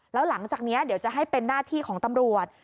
แล้วหลังจากนี้เดี๋ยวจะให้เป็นหน้าที่ของตำรวจ